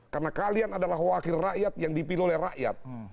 karena kalian adalah wakil rakyat yang dipilih oleh rakyat